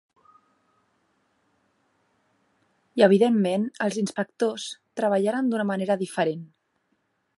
I evidentment els inspectors treballaran d’una manera diferent.